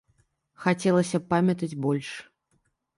Хацелася б памятаць больш.